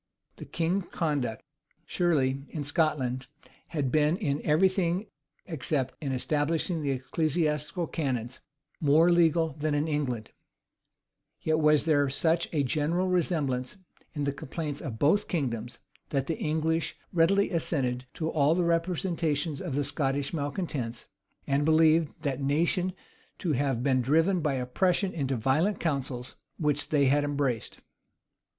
The king's conduct, surely, in Scotland, had been in every thing, except in establishing the ecclesiastical canons, more legal than in England; yet was there such a general resemblance in the complaints of both kingdoms, that the English readily assented to all the representations of the Scottish malecontents, and believed that nation to have been driven by oppression into the violent counsels which they had embraced.